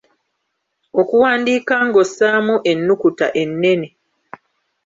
Okuwandiika ng'ossaamu ennukuta ennene.